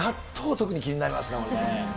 特に気になりますよね。